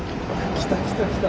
来た、来た、来た。